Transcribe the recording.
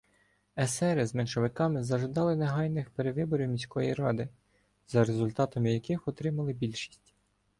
Есери з меншовиками зажадали негайних перевиборів міської ради, за результатами яких отримали більшість.